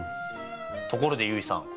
ところで結衣さん。